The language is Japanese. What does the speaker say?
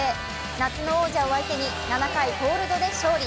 夏の王者を相手に、７回コールドで勝利。